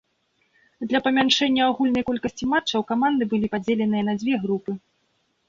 Для памяншэння агульнай колькасці матчаў каманды былі падзеленыя на дзве групы.